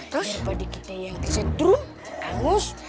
daripada kita yang sedrum